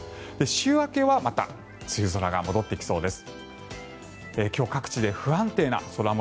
週明けはまた梅雨空が戻ってきそうです。